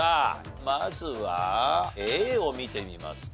まずはＡを見てみますか。